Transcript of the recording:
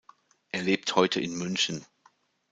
Er lebt heute in München.